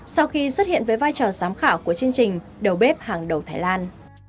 sau khi xuất hiện với vai trò giám khảo của chương trình đầu bếp hàng đầu thái lan